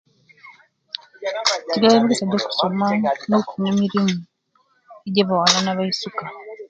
Ntegeera omugisa gwokusoma, no kufuna emirimu, gy'abawala na baisuka.